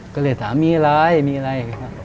ก็เลยถามมีอะไรมีอะไร